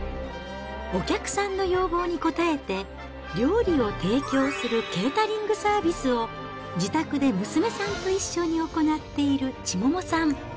お客さんの要望に応えて、料理を提供するケータリングサービスを、自宅で娘さんと一緒に行っている千桃さん。